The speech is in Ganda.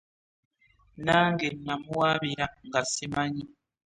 Nange namuwaabira nga ssimanyi.